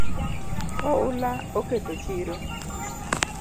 Oula oketho chiro